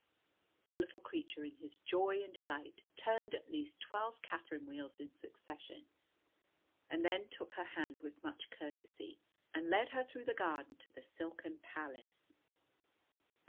The little creature, in his joy and delight, turned at least twelve Catherine wheels in succession, and then took her hand with much courtesy, and led her through the garden to the silken palace.